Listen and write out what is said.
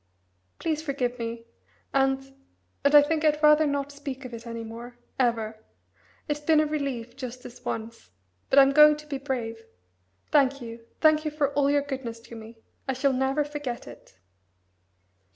Please forgive me and and I think I'd rather not speak of it any more ever. It's been a relief, just this once but I'm going to be brave. Thank you, thank you for all your goodness to me. I shall never forget it."